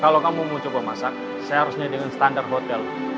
kalau kamu mau coba masak saya harusnya dengan standar hotel